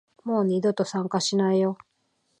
もう二度と参加しないよ